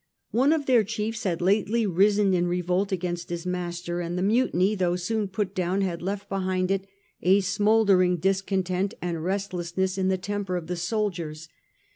One of their chiefs had lately risen in revolt against his master, and the mutiny, though soon put down, had left behind it a smouldei ing discontent and restlessness in thetempei 26 A.D. The Age of the Antonines, of the soldiers.